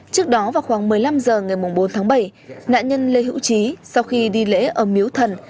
trước đó vào khoảng một mươi năm h ngày bốn tháng bảy nạn nhân lê hữu trí sau khi đi lễ ở miếu thần